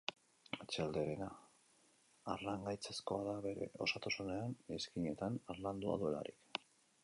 Atzealde herena harlangaitzezkoa da bere osotasunean, izkinetan harlandua duelarik.